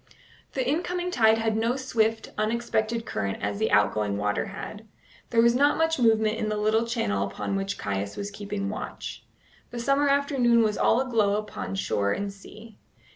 The incoming tide had no swift, unexpected current as the outgoing water had. There was not much movement in the little channel upon which Caius was keeping watch. The summer afternoon was all aglow upon shore and sea.